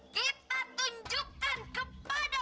kita tunjukkan kepada